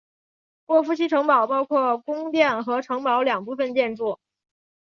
沃夫西城堡包括宫殿和城堡两部分建筑。